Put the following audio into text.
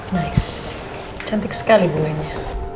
nice cantik sekali bunganya